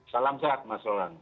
salam sehat mas lorang